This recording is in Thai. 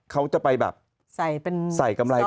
เขาจะไปแบบใส่กำไร